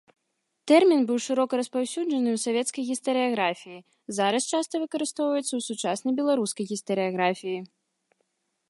Тэрмін быў шырока распаўсюджаны ў савецкай гістарыяграфіі, зараз часта выкарыстоўваецца ў сучаснай беларускай гістарыяграфіі.